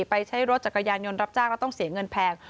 ใช้รถจักรยานยนต์รับจ้างแล้วต้องเสียเงินแพง